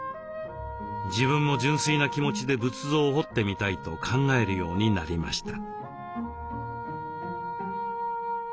自分も純粋な気持ちで仏像を彫ってみたいと考えるようになりました。